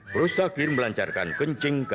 prostagir melancarkan kencing kandungan